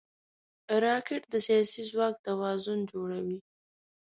راکټ د سیاسي ځواک توازن جوړوي